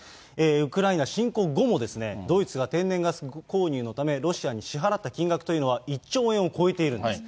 ウクライナ侵攻後も、ドイツが天然ガス購入のため、ロシアに支払った金額というのは、１兆円を超えているんです。